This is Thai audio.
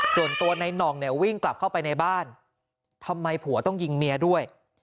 ส่วนตัวในน่องเนี่ยวิ่งกลับเข้าไปในบ้านทำไมผัวต้องยิงเมียด้วย